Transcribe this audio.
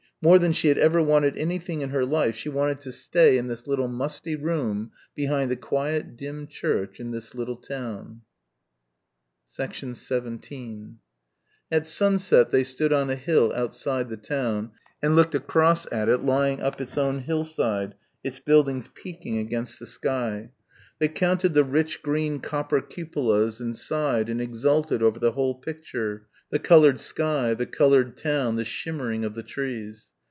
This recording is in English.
more than she had ever wanted anything in her life she wanted to stay in this little musty room behind the quiet dim church in this little town. 17 At sunset they stood on a hill outside the town and looked across at it lying up its own hillside, its buildings peaking against the sky. They counted the rich green copper cupolas and sighed and exulted over the whole picture, the coloured sky, the coloured town, the shimmering of the trees.